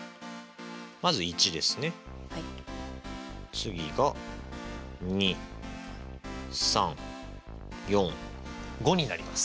次が２３４５になります。